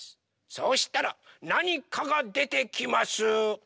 そうしたらなにかがでてきます！